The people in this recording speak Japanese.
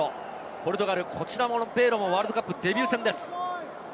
ポルトガル、こちらのベーロもワールドカップデビュー戦です。